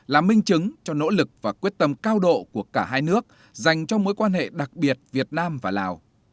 là minh chứng cho nỗ lực và quyết tâm cao độ của cả hai nước dành cho mối quan hệ đặc biệt việt nam và lào